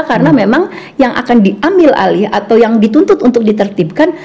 karena memang yang akan diambil alih atau yang dituntut untuk ditertibkan